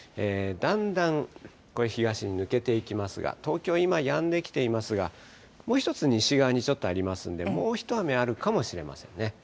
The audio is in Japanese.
だんだんこれ、東に抜けていきますが、東京、今やんできていますが、もう１つ西側に１つありますんで、もう一雨あるかもしれませんね。